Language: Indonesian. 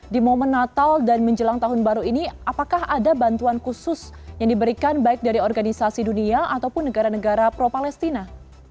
di momen natal dan menjelang tahun baru ini apakah ada bantuan khusus yang diberikan baik dari organisasi dunia ataupun negara negara pro palestina